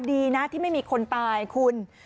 ดีนะที่ไม่มีคนตายคุณ